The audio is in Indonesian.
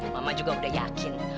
mama juga udah yakin